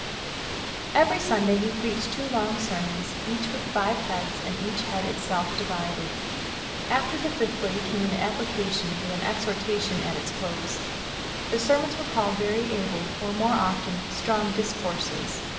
Every Sunday he preached two long sermons, each with five heads, and each head itself divided. After the fifthly came an application, with an exhortation at its close. The sermons were called very able, or, more often, "strong discourses."